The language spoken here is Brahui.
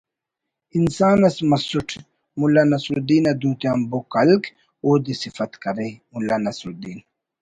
انسان اس مسٹ ملا نصرالدین نا دوتیان بُک ہلک اودے سفت کرے…… ملا نصرالدین